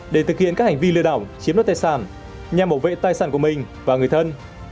để thực hiện các hành vi lừa đảo chiếm đoạt tài sản nhằm bảo vệ tài sản của mình và người thân